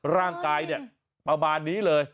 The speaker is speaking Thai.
ร่างกายเนี่ยประมาณนี้เลย